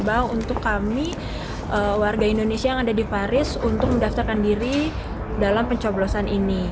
dibawa untuk kami warga indonesia yang ada di paris untuk mendaftarkan diri dalam pencoblosan ini